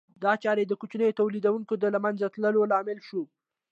دا چاره د کوچنیو تولیدونکو د له منځه تلو لامل شوه